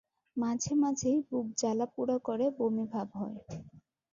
মাঝে মাঝেই বুক জ্বালা পুড়া করে বমি ভাব হয়।